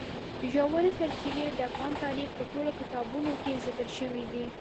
ژورې سرچینې د افغان تاریخ په ټولو کتابونو کې ذکر شوي دي.